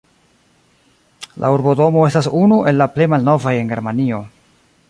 La urbodomo estas unu el la plej malnovaj en Germanio.